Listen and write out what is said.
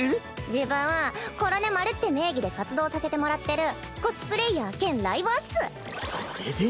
自分コロネ丸って名義で活動させてもらってるコスプレイヤー兼ライバーっス。